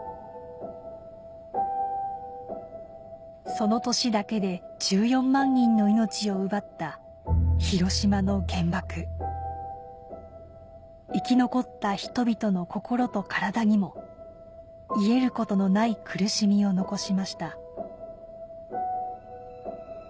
その年だけで１４万人の命を奪った広島の原爆生き残った人々の心と体にも癒えることのない苦しみを残しました